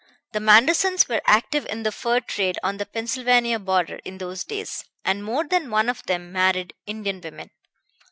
The Mandersons were active in the fur trade on the Pennsylvania border in those days, and more than one of them married Indian women.